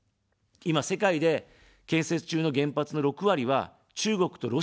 今、世界で建設中の原発の６割は、中国とロシアなんですね。